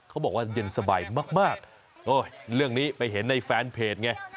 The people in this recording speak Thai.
เขาบอกว่าเย็นสบายมากเรื่องนี้ไปเห็นในแฟนเพจไง